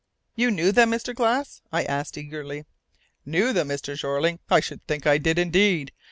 "You knew them, Mr. Glass?" I asked eagerly. "Knew them, Mr. Jeorling? I should think I did, indeed!